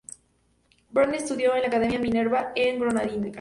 Brouwer estudió en la Academia Minerva, en Groninga.